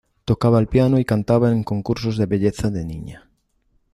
Tocaba el piano y cantaba en concursos de belleza de niña.